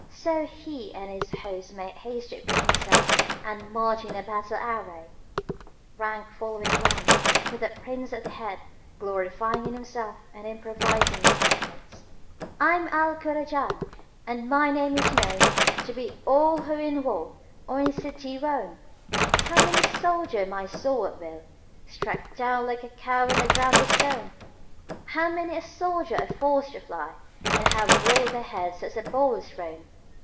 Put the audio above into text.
So he and his host made haste to equip themselves and marched in battle array, rank following rank, with the Prince at their head, glorying in himself and improvising these couplets, "I'm Al Kurajan, and my name is known * To beat all who in wold or in city wone! How many a soldier my sword at will * Struck down like a cow on the ground bestrown? How many a soldier I've forced to fly * And have rolled their heads as a ball is thrown?